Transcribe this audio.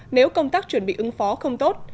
nếu công tác chuẩn bị ứng phó không tốt